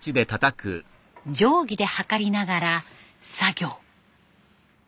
定規で測りながら作業。